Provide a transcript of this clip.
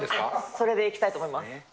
それでいきたいと思います。